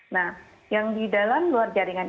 nah yang di dalam luar jaringan